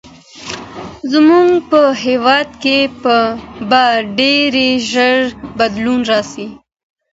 زموږ په هېواد کې به ډېر ژر بدلون راسي.